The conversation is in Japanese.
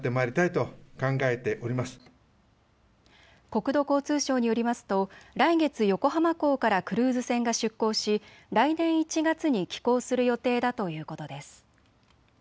国土交通省によりますと来月、横浜港からクルーズ船が出港し来年１月に帰港する予定だということです。